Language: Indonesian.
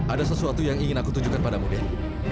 ada sesuatu yang ingin aku tunjukkan padamu ben